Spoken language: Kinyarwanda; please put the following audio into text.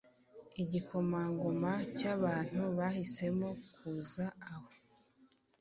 Igikomangoma cyabantu bahisemo kuza aho